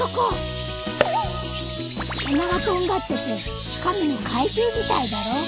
鼻がとんがってて亀の怪獣みたいだろ。